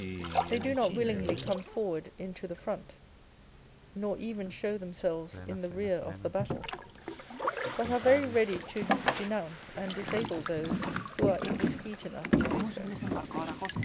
They do not willingly come forward into the front nor even show themselves in the rear of the battle, but are very ready to denounce and disable those who are indiscreet enough to do so.